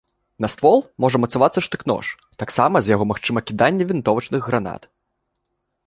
На ствол можа мацавацца штык-нож, таксама з яго магчыма кіданне вінтовачных гранат.